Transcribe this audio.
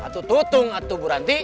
itu tutung bu ranti